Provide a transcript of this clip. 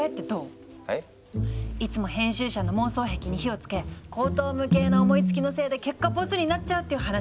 いつも編集者の妄想癖に火をつけ荒唐無稽な思いつきのせいで結果ボツになっちゃうっていう話。